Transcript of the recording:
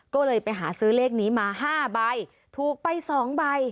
ก็เลยไปหาซื้อเลขนี้มา๕ใบถูกไป๒ใบ